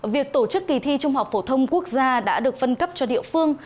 việc tổ chức kỳ thi trung học phổ thông quốc gia đã được phân cấp cho địa phương